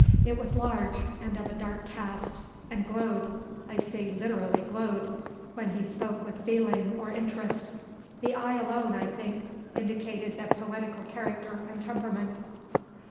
It was large, and of a dark cast, and glowed (I say literally glowed) when he spoke with feeling or interest. The eye alone, I think, indicated the poetical character and temperament."